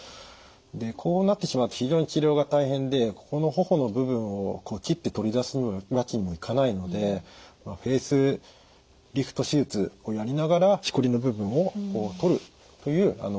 でこうなってしまうと非常に治療が大変でここの頬の部分を切って取り出すわけにもいかないのでフェイスリフト手術をやりながらしこりの部分をとるという手術が必要になりました。